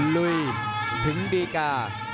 ลุยถึงดีกา